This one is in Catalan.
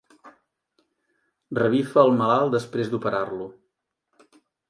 Revifa el malalt després d'operar-lo.